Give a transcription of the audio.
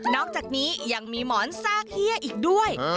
อกจากนี้ยังมีหมอนซากเฮียอีกด้วย